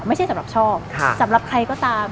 ไม่ใช่สำหรับชอบสำหรับใครก็ตาม